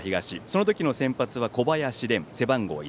その時の先発は小林廉、背番号１。